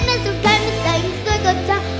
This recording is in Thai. แม่สุดท้ายมันใจยังสวยกว่าฉัน